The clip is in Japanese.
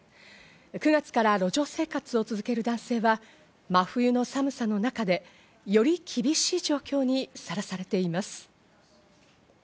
９月から路上生活を続ける男性は、真冬の寒さの中でより厳しい状況にさらされています。